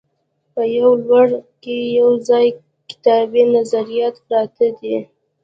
په یوه لوري کې یوازې کتابي نظریات پرت دي.